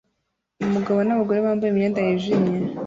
Umugabo n'abagore bambaye imyenda yijimye